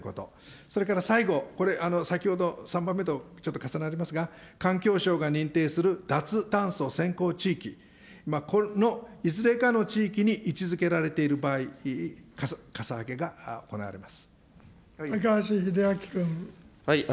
それから最後、これ、先ほど、３番目とちょっと重なりますが、環境省が認定する脱炭素先行地域、このいずれかの地域に位置づけられている場合、かさ上げが行われます。